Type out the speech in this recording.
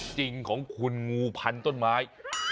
จริงของคุณงูพันต้นไม้